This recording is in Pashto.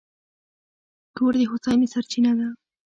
کور د هوساینې سرچینه ده.